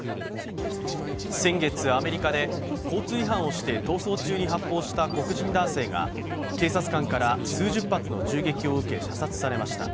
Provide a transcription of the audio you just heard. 先月、アメリカで交通違反をして逃走中に発砲した黒人男性が、警察官から数十発の銃撃を受け射殺されました。